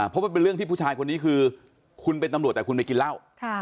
เพราะมันเป็นเรื่องที่ผู้ชายคนนี้คือคุณเป็นตำรวจแต่คุณไปกินเหล้า